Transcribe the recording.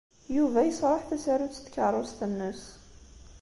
Yuba yesṛuḥ tasarut n tkeṛṛust-nnes.